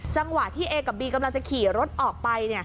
จังหวะที่เอกับบีกำลังจะขี่รถออกไป